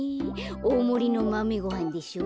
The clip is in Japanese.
おおもりのマメごはんでしょ。